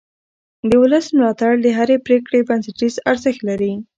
د ولس ملاتړ د هرې پرېکړې بنسټیز ارزښت لري